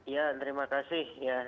ya terima kasih